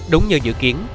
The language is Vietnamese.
đúng như dự kiến